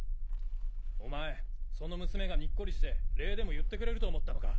お前その娘がニッコリして礼でも言ってくれると思ったのか？